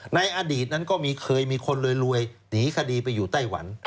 ในอดีตนั้นก็มี๑๒๐๐คนจนลวยหนีคดีไปอยู่ไต้หวัน